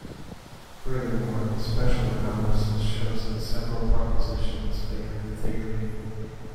Furthermore, special analysis show that several propositions favour the theory.